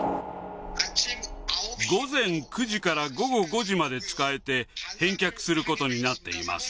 午前９時から午後５時まで使えて、返却することになっています。